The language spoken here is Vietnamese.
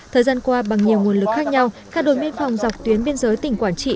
thời gian qua bằng nhiều nguồn lực khác nhau các đồn biên phòng dọc tuyến biên giới tỉnh quảng trị